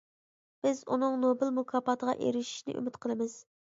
بىز ئۇنىڭ نوبېل مۇكاپاتىغا ئېرىشىشىنى ئۈمىد قىلىمىز.